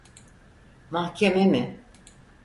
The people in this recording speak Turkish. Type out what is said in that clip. Mahkeme mi?